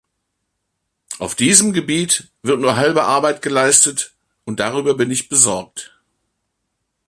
Auf diesem Gebiet wird nur halbe Arbeit geleistet, und darüber bin ich besorgt.